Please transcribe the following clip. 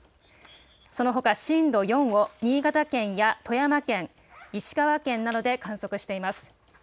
そのほか震度４を新潟県や富山県、石川県などで観測しています。